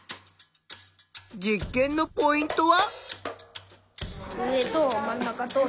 実験のポイントは？